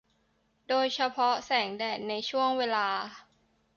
โดยเฉพาะแสงแดดในช่วงเวลา